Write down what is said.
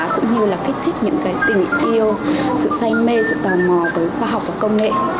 cũng như là kích thích những cái tình yêu sự say mê sự tò mò tới khoa học và công nghệ